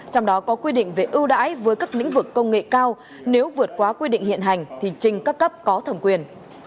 trong đó có quy định về ưu đãi với các lĩnh vực công nghệ cao nếu vượt quá quy định hiện hành thì trình các cấp có thẩm quyền